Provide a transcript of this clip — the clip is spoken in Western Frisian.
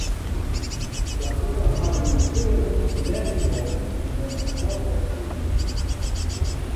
Hja koene harren nijsgjirrigens net ynhâlde en gongen sels op ûndersyk út.